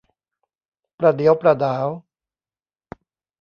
ประเดี๋ยวประด๋าว